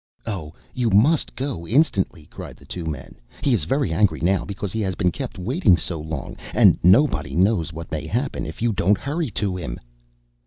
_" "Oh! you must go instantly!" cried the two men. "He is very angry now because he has been kept waiting so long; and nobody knows what may happen if you don't hurry to him."